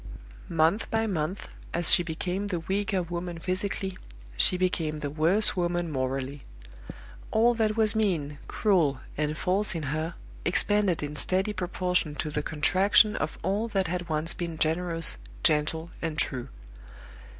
Month by month, as she became the weaker woman physically, she became the worse woman morally. All that was mean, cruel, and false in her expanded in steady proportion to the contraction of all that had once been generous, gentle, and true.